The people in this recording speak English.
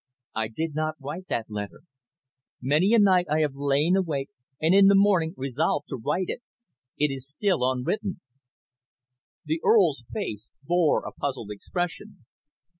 I did not write that letter. Many a night I have lain awake, and in the morning resolved to write it. It is still unwritten." The Earl's face bore a puzzled expression.